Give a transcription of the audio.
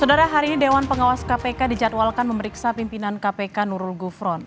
saudara hari ini dewan pengawas kpk dijadwalkan memeriksa pimpinan kpk nurul gufron